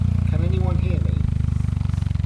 Can anyone hear me?